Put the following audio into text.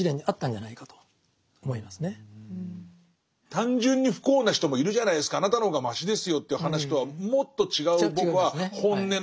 単純に不幸な人もいるじゃないですかあなたの方がマシですよという話とはもっと違う僕は本音の話をしている気がして。